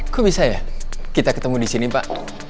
kok bisa ya kita ketemu di sini pak